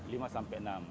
lima sampai enam